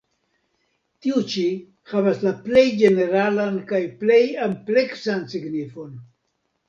Tiu ĉi havas la plej ĝeneralan kaj plej ampleksan signifon.